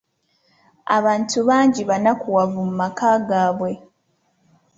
Abantu bangi bannakuwavu mu maka gaabwe